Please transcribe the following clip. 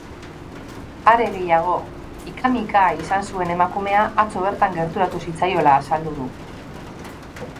Are gehiago, ika-mika izan zuen emakumea atzo bertan gerturatu zitzaiola azaldu du.